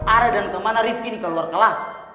arah dan kemana rif ini keluar kelas